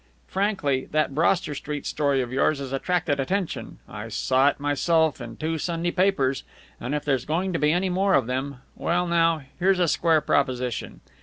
Frankly, that Broster Street story of yours has attracted attention I saw it myself in two Sunday papers and if there's going to be any more of them Well, now, here's a square proposition.